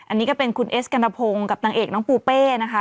อันนี้ก็เป็นคุณเอสกัณฑพงศ์กับนางเอกน้องปูเป้นะคะ